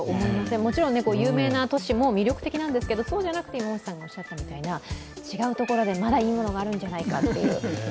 もちろん、有名な都市も魅力的なんですけどそうじゃなくて、違うところでまだいいものがあるんじゃないかという。